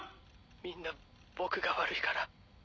みんな僕が悪いから。